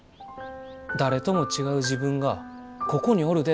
「誰とも違う自分がここにおるで！」